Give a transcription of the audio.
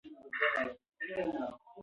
د احمد ټول عمر په رنځ او تکلیفونو کې تېر شو.